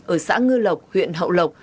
ở xã ngư lộc huyện hậu lộc